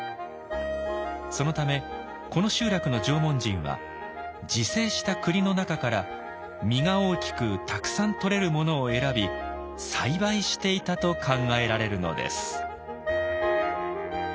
そのためこの集落の縄文人は自生したクリの中から実が大きくたくさんとれるものを選び栽培していたと考えられるのです。